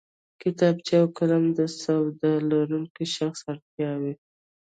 کتابچه او قلم د سواد لرونکی شخص اړتیا وي